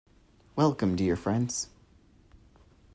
Welcome, dear friends.